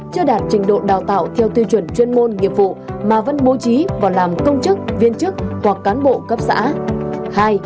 chưa đạt trình độ đào tạo theo tiêu chuẩn chuyên môn nghiệp vụ mà vẫn bố trí và làm công chức viên chức hoặc cán bộ cấp xã